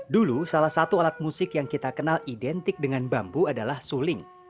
dulu salah satu alat musik yang kita kenal identik dengan bambu adalah suling